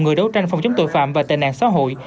người đấu tranh phòng chống tội phạm và tệ nạn xã hội